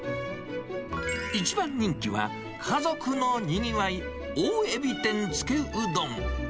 一番人気は、家族の賑わい大エビ天つけうどん。